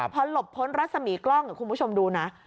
พอหลบพ้นรัศมีกล้องคุณผู้ชมดูนะ